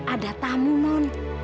ada tamu non